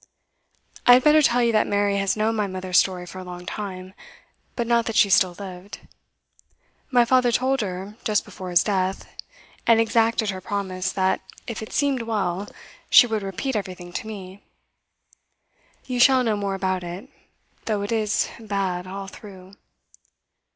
'I had better tell you that Mary has known my mother's story for a long time but not that she still lived. My father told her just before his death, and exacted her promise that, if it seemed well, she would repeat everything to me. You shall know more about it, though it is bad all through.